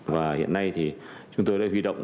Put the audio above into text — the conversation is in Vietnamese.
và hiện nay thì chúng tôi đã huy động